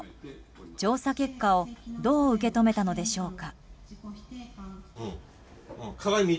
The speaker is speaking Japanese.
調査結果をどう受け止めたのでしょうか。